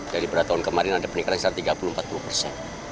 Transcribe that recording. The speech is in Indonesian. dari pada tahun kemarin ada peningkatan tiga puluh empat puluh